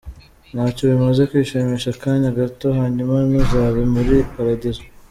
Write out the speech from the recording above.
Ntacyo bimaze kwishimisha akanya gato, hanyuma ntuzabe muli paradizo.